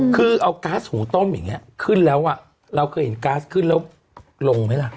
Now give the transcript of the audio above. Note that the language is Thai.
คือเอาก๊าซหุงต้มอย่างนี้ขึ้นแล้วเราเคยเห็นก๊าซขึ้นแล้วลงไหมล่ะ